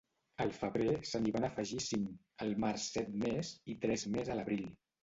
Al febrer se n'hi van afegir cinc, al març set més, i tres més a l'abril.